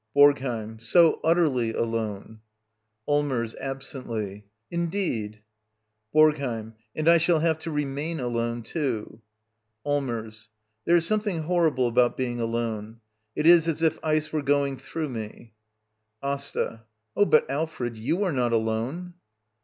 BoRGHEiM. So utterly alone! Allmers. [Absently.] Indeed? BoRGHEiM. And I shall have to remain alone, too. ^ Allmers. There is something horrible about be Vfng alone. It is as if ice were going through me — l^'AsTA. Oh, but, Alfred, you are not alone.